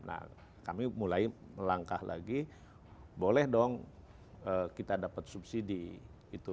nah kami mulai melangkah lagi boleh dong kita dapat subsidi itu